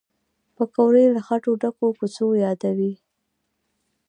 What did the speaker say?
پکورې له خټو ډکو کوڅو یادوي